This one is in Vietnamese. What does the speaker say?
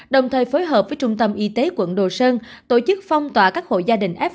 đồng thời phối hợp với trung tâm y tế quận đồ sơn tổ chức phong tỏa các hộ gia đình f một